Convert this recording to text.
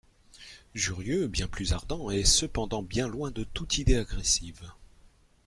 Jurieu, bien plus ardent, est cependant bien loin de toute idée agressive.